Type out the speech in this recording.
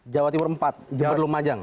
jawa timur empat jeput lumajang